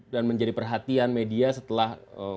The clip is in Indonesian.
dan menjadi perhatian media setelah